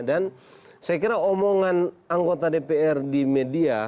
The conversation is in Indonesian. dan saya kira omongan anggota dpr di media